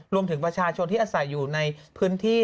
รวมถึงประชาชนที่อาศัยอยู่ในพื้นที่